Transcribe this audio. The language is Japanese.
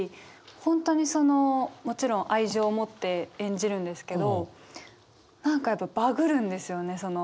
本当にそのもちろん愛情を持って演じるんですけど何かやっぱバグるんですよねその。